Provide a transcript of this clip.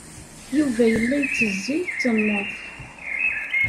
Yuba yella yettezzi, yettenneḍ.